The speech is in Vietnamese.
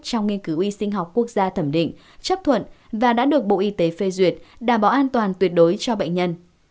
trong nghiên cứu y sinh học quốc gia thẩm định chấp thuận và đã được bộ y tế phê duyệt đảm bảo an toàn tuyệt đối cho bệnh nhân